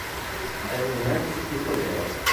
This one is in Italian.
È un ex-pistolero.